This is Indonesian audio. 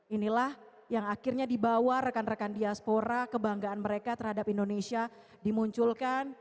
inilah yang akhirnya dibawa rekan rekan diaspora kebanggaan mereka terhadap indonesia dimunculkan